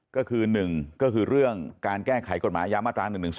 ก็คือ๑ก็คือเรื่องการแก้ไขกฎหมายยามาตรา๑๑๒